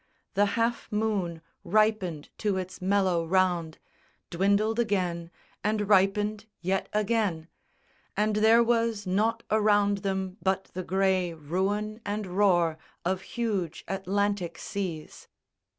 The half moon ripened to its mellow round, Dwindled again and ripened yet again, And there was nought around them but the grey Ruin and roar of huge Atlantic seas.